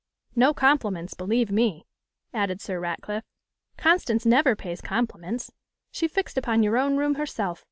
'No compliments, believe me,' added Sir Ratcliffe; 'Constance never pays compliments. She fixed upon your own room herself.